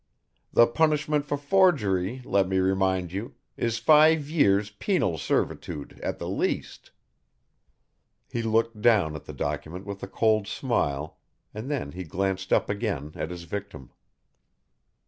The punishment for forgery let me remind you, is five years penal servitude at the least." He looked down at the document with a cold smile, and then he glanced up again at his victim.